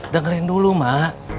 dengarin dulu mak